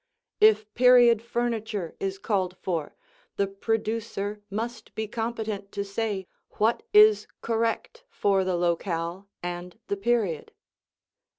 If period furniture is called for, the producer must be competent to say what is correct for the locale and the period.